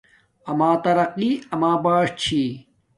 اما ترقی اما بݽ چھی